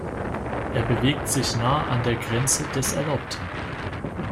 Er bewegt sich nah an der Grenze des Erlaubten.